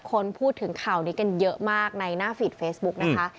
คนพูดถึงข่าวนี้กันเยอะมากในหน้าฟีดเฟซบุ๊กนะคะ